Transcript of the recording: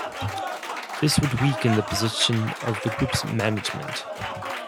This would weaken the position of the group's management.